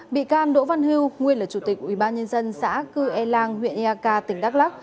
bị can đỗ văn hưu nguyên là chủ tịch ubnd xã cư e lang huyện eak tỉnh đắk lắc